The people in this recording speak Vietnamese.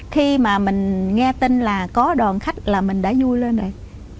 khi mà mình nghe tin là có đoàn khách là mình đã vui lên đây